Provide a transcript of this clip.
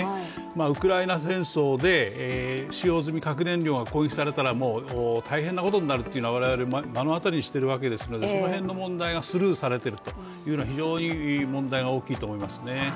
ウクライナ戦争で使用済み核燃料が攻撃されたら、もう大変なことになるというのは我々、目の当たりにしているわけですのでその辺の問題がスルーされているというのは非常に問題が大きいと思いますね。